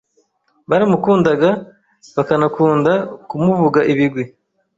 baramukundaga bakanakunda kumuvuga ibigwi.